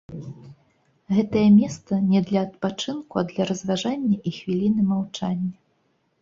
Гэтае месца не для адпачынку, а для разважання і хвіліны маўчання.